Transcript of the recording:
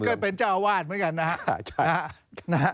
พอสมเด็จก็เป็นเจ้าวาดเหมือนกันนะฮะ